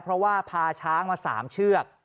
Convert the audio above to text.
เพราะว่าพาช้างมา๓เชือก